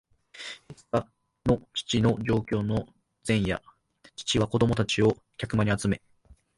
いつかの父の上京の前夜、父は子供たちを客間に集め、